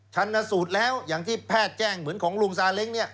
ชันสูตรแล้วอย่างที่แพทย์แจ้งเหมือนของลุงซาเล้งเนี่ย